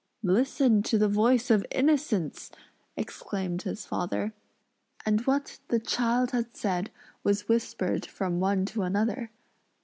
"Listen to the voice of innocence!" exclaimed his father; and what the child had said was whispered from one to another.